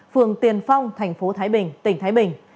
phường tiền phong tp thái bình tỉnh thái bình